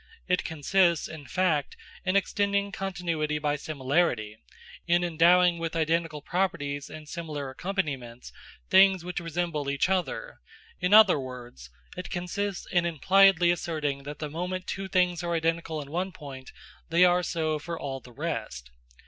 It consists, in fact, in extending continuity by similarity; in endowing with identical properties and similar accompaniments things which resemble each other; in other words, it consists in impliedly asserting that the moment two things are identical in one point they are so for all the rest.